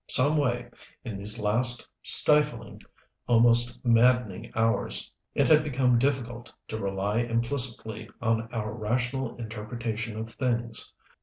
Some way, in these last, stifling, almost maddening hours, it had become difficult to rely implicitly on our rational interpretation of things.